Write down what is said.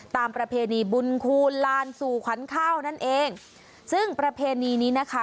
ประเพณีบุญคูณลานสู่ขวัญข้าวนั่นเองซึ่งประเพณีนี้นะคะ